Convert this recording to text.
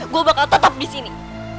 gue bakal tetap di sini